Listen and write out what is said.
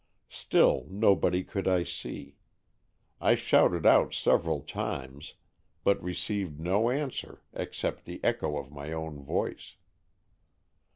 Still nobody could I see. I shouted out several times, but received no answer except the echo of my own voice.